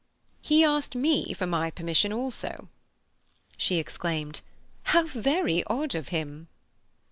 "He asked me for my permission also." She exclaimed: "How very odd of him!"